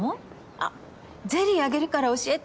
あっゼリーあげるから教えて。